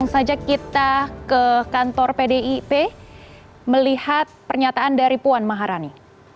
langsung saja kita ke kantor pdip melihat pernyataan dari puan maharani